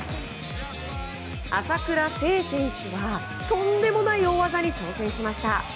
朝倉聖選手はとんでもない大技に挑戦しました。